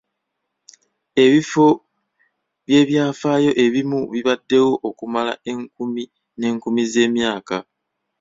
Ebifo by'ebyafaayo ebimu bibaddewo okumala enkumi n'enkumi z'emyaka.